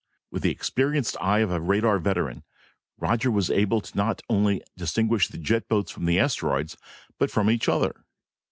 With the experienced eye of a radar veteran, Roger was able not only to distinguish the jet boats from the asteroids, but from each other.